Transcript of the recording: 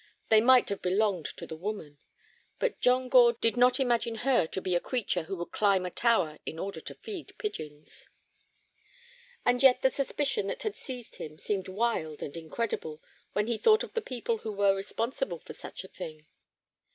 They might have belonged to the woman, but John Gore did not imagine her to be a creature who would climb a tower in order to feed pigeons. And yet the suspicion that had seized him seemed wild and incredible when he thought of the people who were responsible for such a thing.